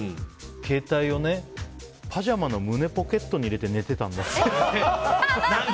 携帯をパジャマの胸ポケットに入れて寝ていたんだって。